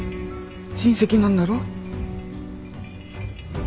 親戚なんだろ？